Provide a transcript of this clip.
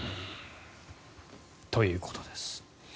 ということです。